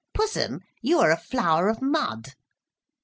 Pussum, you are a flower of mud."